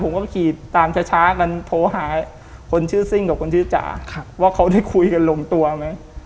ผมก็ขี่ตามช้ากันโทรหาคนชื่อซิ่งกับคนชื่อจ๋าว่าเขาได้คุยกันลงตัวไหม